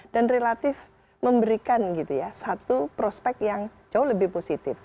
dan relatif memberikan satu prospek yang jauh lebih positif